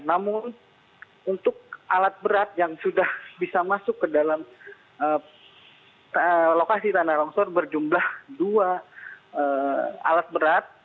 namun untuk alat berat yang sudah bisa masuk ke dalam lokasi tanah longsor berjumlah dua alat berat